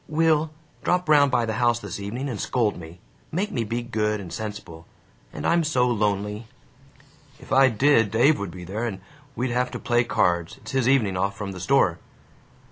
"Will, drop round by the house this evening and scold me. Make me be good and sensible. And I'm so lonely." "If I did, Dave would be there, and we'd have to play cards. It's his evening off from the store."